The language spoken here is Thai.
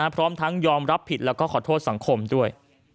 พร้อมทั้งยอมรับผิดแล้วก็ขอโทษสังคมด้วย